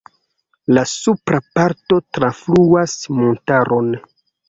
La supra parto trafluas montaron.